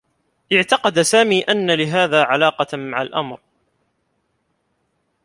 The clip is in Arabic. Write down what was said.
اعتقد سامي أنّ لهذا علاقة مع الأمر.